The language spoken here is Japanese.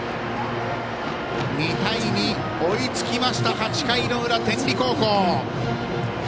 ２対２、追いつきました８回の裏、天理高校。